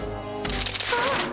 あっ。